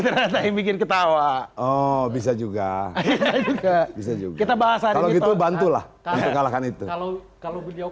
ternyata yang bikin ketawa oh bisa juga kita bahas hari itu bantulah kalahkan itu kalau kalau beliau